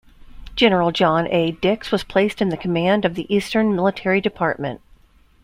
General John A Dix was placed in the command of the Eastern Military Department.